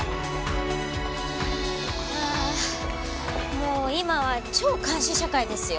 もう今は超監視社会ですよ。